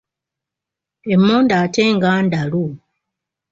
Emmondo ate nga ndalu .